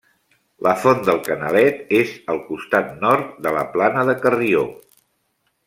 La Font del Canalet és al costat nord de la Plana de Carrió.